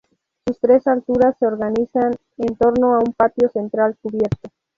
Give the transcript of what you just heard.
Sus tres alturas se organizan en torno a un patio central cubierto.